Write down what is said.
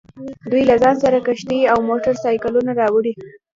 دوی له ځان سره کښتۍ او موټر سایکلونه راوړي